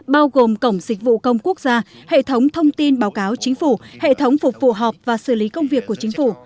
bao gồm cổng dịch vụ công quốc gia hệ thống thông tin báo cáo chính phủ hệ thống phục vụ họp và xử lý công việc của chính phủ